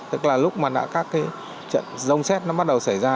tức là lúc mà các cái trận rông xét nó bắt đầu xảy ra